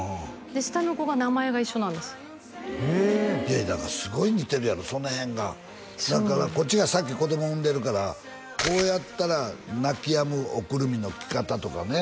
下の子が名前が一緒なんですいやだからすごい似てるやろその辺がだからこっちが先子供産んでるからこうやったら泣きやむおくるみの着方とかね